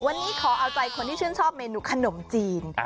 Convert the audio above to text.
วันนี้ขอเอาใจคนที่ชื่นชอบเมนูขนมจีน